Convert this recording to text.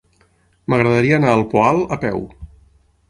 M'agradaria anar al Poal a peu.